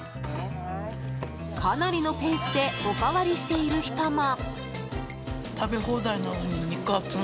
かなりのペースでおかわりしている人も。